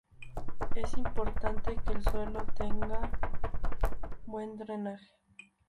Es importante que el suelo tenga buen drenaje.